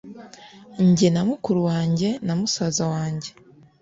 njye na mukuru wanjye na musaza wanjye